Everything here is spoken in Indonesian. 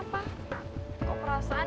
kenapa kok perasaan